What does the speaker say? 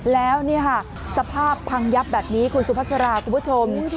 แล้วสภาพพังยับแบบนี้คุณสุภาษณาคุณผู้ชม